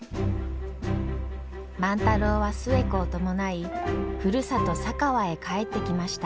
万太郎は寿恵子を伴いふるさと佐川へ帰ってきました。